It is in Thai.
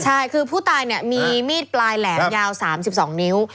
ใช่คือผู้ตายเนี่ยมีมีดปลายแหลมยาว๓๒นิ้ว